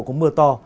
có mưa to